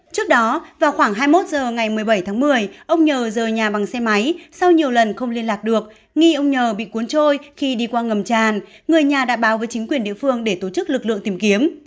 trước đó vào khoảng hai mươi một h ngày một mươi bảy tháng một mươi ông nhờ rời nhà bằng xe máy sau nhiều lần không liên lạc được nghi ông nhờ bị cuốn trôi khi đi qua ngầm tràn người nhà đã báo với chính quyền địa phương để tổ chức lực lượng tìm kiếm